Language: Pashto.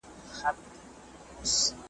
تاریخ د پخوانیو پېښو یاد ساتي.